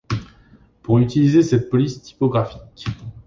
pour utiliser cette police typographique.